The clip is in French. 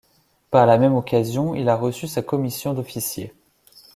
Par la même occasion, il a reçu sa commission d'officier.